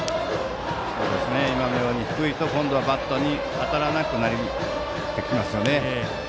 今のように低いと今度はバットに当たらなくなってきますよね。